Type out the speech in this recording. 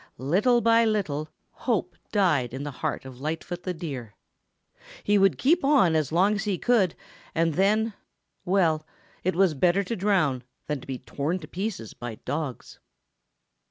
Little by little hope died in the heart of Lightfoot the Deer. He would keep on just as long as he could and then, well, it was better to drown than to be torn to pieces by dogs.